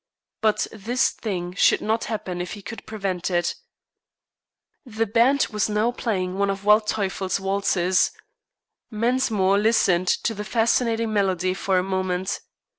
But this thing should not happen if he could prevent it. The band was now playing one of Waldteufel's waltzes. Mensmore listened to the fascinating melody for a moment.